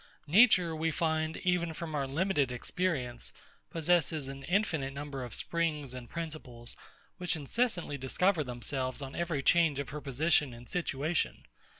Nature, we find, even from our limited experience, possesses an infinite number of springs and principles, which incessantly discover themselves on every change of her position and situation.